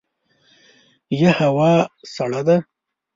یه هوا سړه ده !